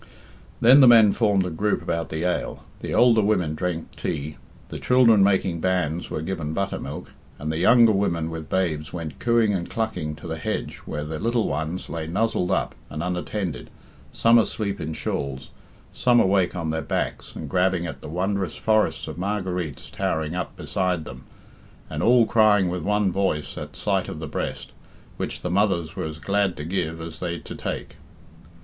Then the men formed a group about the ale, the older women drank tea, the children making bands were given butter milk, and the younger women with babes went cooing and clucking to the hedge where the little ones lay nuzzled up and unattended, some asleep in shawls, some awake on their backs and grabbing at the wondrous forests of marguerites towering up beside them, and all crying with one voice at sight of the breast, which the mothers were as glad to give as they to take.